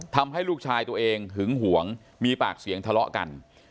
ทำให้ลูกชายตัวเองหึงหวงมีปากเสียงทะเลาะกัน